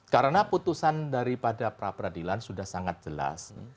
karena putusan daripada pra peradilan sudah sangat jelas